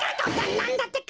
なんだってか？